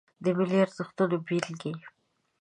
د ملي ارزښتونو بیلګې